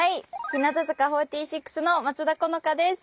日向坂４６の松田好花です。